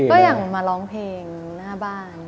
ก็อย่างมาร้องเพลงหน้าบ้าน